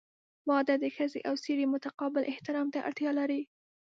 • واده د ښځې او سړي متقابل احترام ته اړتیا لري.